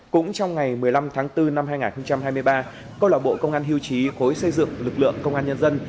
cũng trong ngày một mươi năm tháng bốn năm hai nghìn hai mươi ba câu lạc bộ công an hưu trí khối xây dựng lực lượng công an nhân dân